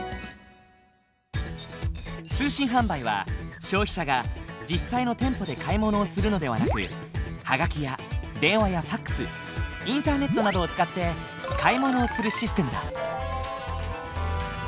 通信販売は消費者が実際の店舗で買い物をするのではなくハガキや電話やファックスインターネットなどを使って買い物をするシステムだ。